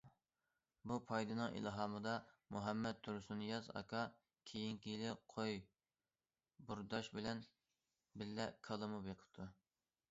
بۇ پايدىنىڭ ئىلھامىدا مۇھەممەد تۇرسۇننىياز ئاكا كېيىنكى يىلى قوي بورداش بىلەن بىللە كالىمۇ بېقىپتۇ.